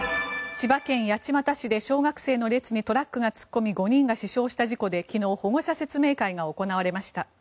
千葉県八街市で小学生の列にトラックが突っ込み５人が死傷した事故で昨日、保護者説明会が行われました。